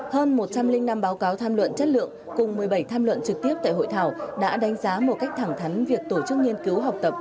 hơn một trăm linh năm báo cáo tham luận chất lượng cùng một mươi bảy tham luận trực tiếp tại hội thảo đã đánh giá một cách thẳng thắn việc tổ chức nghiên cứu học tập